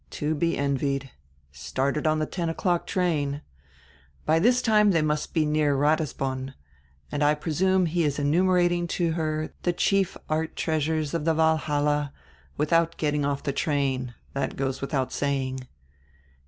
To be envied. Stalled on the ten o'clock train. By this time they must be near Ratisbon, and I presume he is enumerating to her the chief art treasures of the Walhalla, without getting off the train — that goes without saying.